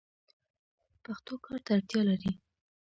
پښتو کار ته اړتیا لري.